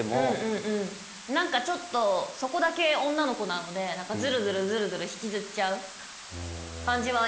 何かちょっとそこだけ女の子なのでズルズルズルズル引きずっちゃう感じはありますね。